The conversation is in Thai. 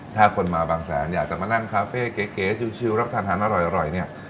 ถ้าคนมาบางแสนอยากจะมานั่งคาเฟ่เก๋ชิวรับประทานอาหารอร่อยเนี่ย